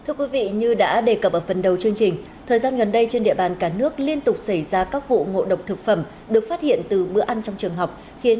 các bạn hãy đăng ký kênh để ủng hộ kênh của chúng mình nhé